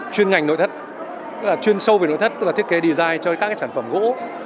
chuyên ngành nội thất chuyên sâu về nội thất tức là thiết kế design cho các sản phẩm gỗ